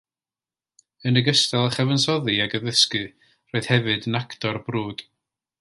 Yn ogystal â chyfansoddi ac addysgu, roedd hefyd yn actor brwd.